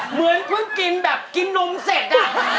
เหมือนเพิ่งกินแบบกินนมเสร็จ